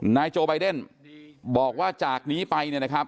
นายโจ้ใบเดนบอกว่าจากนี้ไป